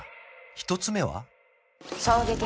１つ目は？